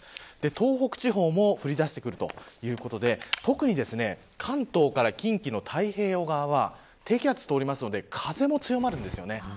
東北地方も降りだしてくるということで特に関東から近畿の太平洋側は低気圧通りますので風も強まります。